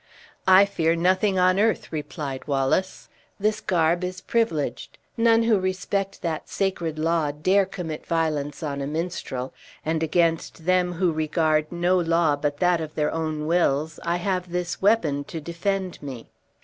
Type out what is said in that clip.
"I fear nothing on earth," replied Wallace. "This garb is privileged, none who respect that sacred law dare commit violence on a minstrel, and against them who regard no law but that of their own wills, I have this weapon to defend me."